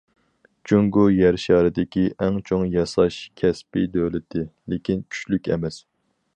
جۇڭگو يەر شارىدىكى ئەڭ چوڭ ياساش كەسپى دۆلىتى، لېكىن كۈچلۈك ئەمەس.